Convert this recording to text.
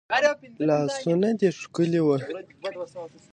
لاسونه دي ښکلي وه